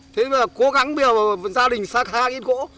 thế bây giờ cố gắng bây giờ gia đình xa xa cái gỗ